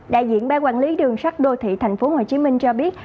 đại diện ba quản lý đường sắt đô thị thành phố hồ chí minh cho biết